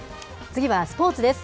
次はスポーツです。